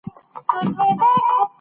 آیا زده کړه د ټولنې په بدلون کې رول لري؟